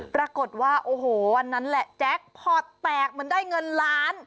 ปรากฏว่าโอ้โหวันนั้นแหละแจ็คพอร์ตแตกเหมือนได้เงินล้าน